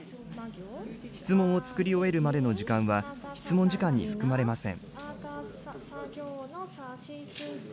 質問を作り終えるまでの時間は、質問時間に含まれません。